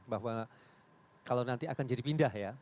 bahwa kalau nanti akan jadi pindah ya